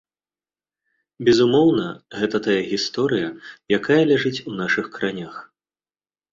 Безумоўна, гэта тая гісторыя, якая ляжыць у нашых каранях.